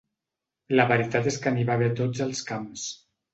La veritat és que n'hi va haver a tots els camps.